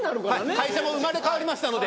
会社も生まれ変わりましたので。